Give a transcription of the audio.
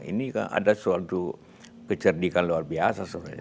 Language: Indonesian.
ini kan ada suatu kecerdikan luar biasa sebenarnya